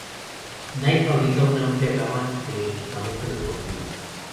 Nike fabrica una amplia gama de equipamiento deportivo.